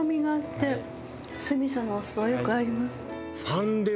酢味噌のお酢とよく合います。